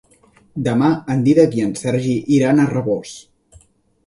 Demà en Dídac i en Sergi iran a Rabós.